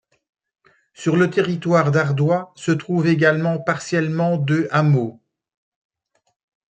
Sur le territoire d'Ardoye se trouvent également partiellement deux hameaux.